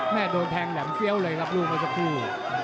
โดนแทงแหลมเฟี้ยวเลยครับลูกเมื่อสักครู่